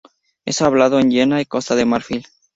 Es hablado en Ghana y Costa de Marfil.